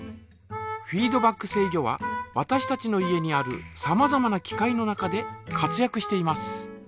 フィードバック制御はわたしたちの家にあるさまざまな機械の中で活やくしています。